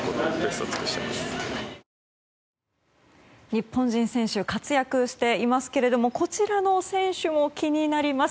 日本人選手活躍していますけれどもこちらの選手も気になります。